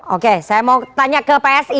oke saya mau tanya ke psi